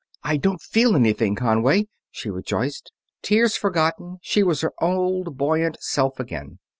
"I don't feel anything, Conway!" she rejoiced. Tears forgotten, she was her old, buoyant self again.